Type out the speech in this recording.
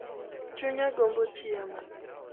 Chunya gombo chiemo